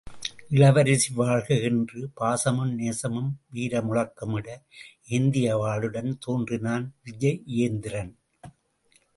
இளவரசி வாழ்க! என்று பாசமும் நேசமும் வீரமுழக்கமிட, ஏந்திய வாளுடன் தோன்றினான் விஜயேந்திரன்.